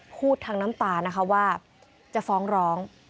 พูดทางน้ำตานะคะว่าจะฟ้องร้อง